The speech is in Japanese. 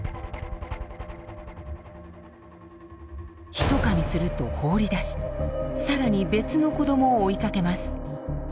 一噛みすると放り出しさらに別の子どもを追いかけます。